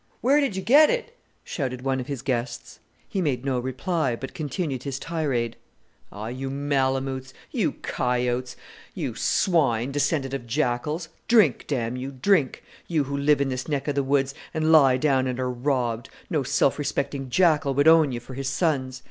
"Where did you get it?" shouted one of his guests. He made no reply, but continued his tirade. "Oh, you malamoots, you coyotes! You swine, descended of jackals! Drink, damn you, drink you who live in this neck of the woods, and lie down and are robbed! no self respecting jackal would own you for his sons.